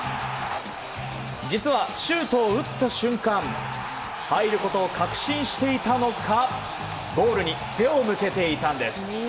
実はシュートを打った瞬間入ることを確信していたのかゴールに背を向けていたんです。